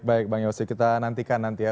baik bang yose kita nantikan nanti ya